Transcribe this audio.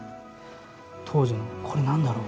当時のこれ何だろう？